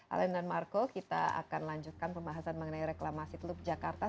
alen dan marco kita akan lanjutkan pembahasan mengenai reklamasi teluk jakarta